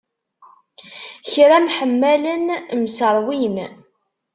Kra mḥemmalen mserwin.